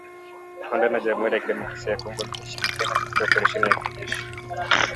Rwanda na Jamhuri ya kidemokrasia ya Kongo zilishirikiana katika operesheni ya kijeshi